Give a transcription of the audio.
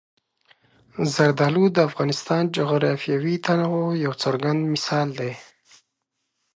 زردالو د افغانستان د جغرافیوي تنوع یو څرګند مثال دی.